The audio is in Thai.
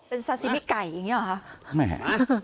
เป็นซาซิมิไก่อย่างนี้หรอคะ